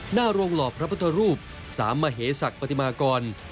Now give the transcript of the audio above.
หน้าโรงหล่อพระพุทธรูปสามมเหศักดิ์ปฏิมากร